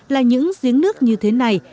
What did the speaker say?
là những giếng nước như thế này